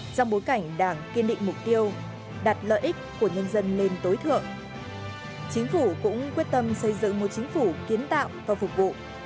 trong bối cảnh đảng kiên định mục tiêu đặt lợi ích của nhân dân lên tối thượng chính phủ cũng quyết tâm xây dựng một chính phủ kiến tạo và phục vụ